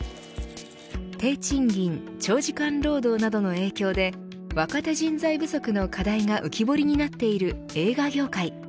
低賃金、長時間労働などの影響で若手人材不足の課題が浮き彫りになっている映画業界。